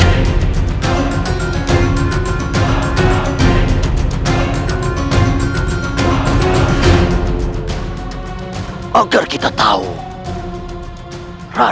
dan langkah selanjutnya